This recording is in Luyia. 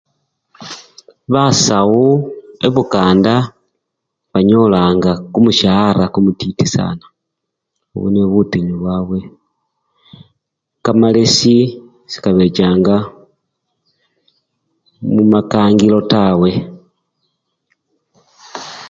Basawu ibukanda banyolanga kumushaara kumutiti sana, obwonibwo butinyu bwabwe kamalesi sekabechanga mumakangilo tawe.